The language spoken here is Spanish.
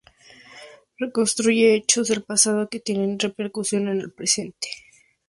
Reconstruye hechos del pasado que tienen repercusión en el presente.